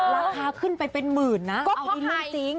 ราคาขึ้นไปเป็นหมื่นนะเอาในรูปจริง